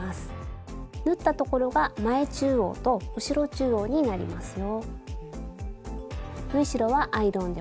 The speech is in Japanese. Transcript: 縫ったところが前中央と後ろ中央になりますよ。